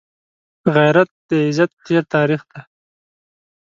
غیرت د عزت تېر تاریخ دی